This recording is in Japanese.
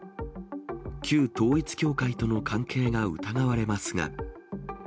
旧統一教会との関係が疑われますが。